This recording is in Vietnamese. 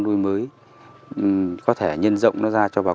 nuôi mới có thể nhân rộng nó ra cho vào